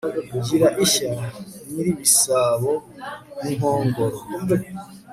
gira ishya nyiribisabo ninkongoro